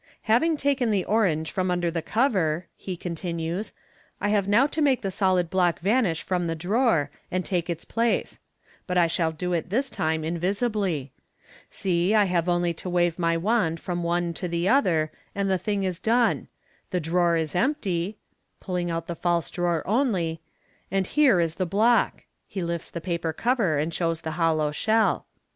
" Having taken the orange from under the cover," he continues, " I have now to make the solid block vanish from the drawer, and take its place ; but I shall do it this time invisibly. See, I have only to wave my wand from the one to the other, and the thing is done. The drawer is empty" (pulling out the false drawer only), "and here is the block " (he lifts the paper cover, and shows the hollow shell).